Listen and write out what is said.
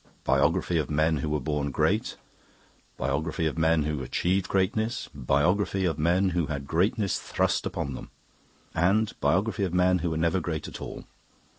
'Biography of Men who were Born Great', 'Biography of Men who Achieved Greatness', 'Biography of Men who had Greatness Thrust upon Them', and 'Biography of Men who were Never Great at All'.